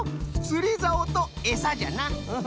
つりざおとエサじゃな。